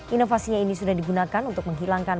inovasinya ini sudah digunakan untuk menghilangkan